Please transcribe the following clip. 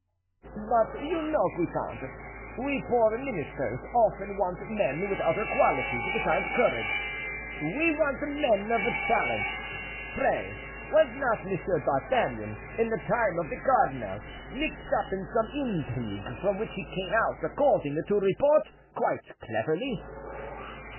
"But you know, Guitant, we poor ministers often want men with other qualities besides courage; we want men of talent. Pray, was not Monsieur d'Artagnan, in the time of the cardinal, mixed up in some intrigue from which he came out, according to report, quite cleverly?"